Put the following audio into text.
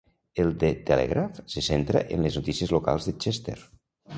El The Telegraph se centra en les notícies locals de Chester.